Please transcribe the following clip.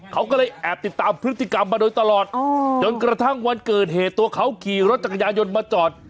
เขาก็เลยแอบติดตามพฤติกรรมมาโดยตลอดจนกระทั่งวันเกิดเหตุตัวเขาขี่รถจักรยานยนต์มาจอด